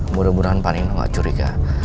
mudah mudahan panina tidak curiga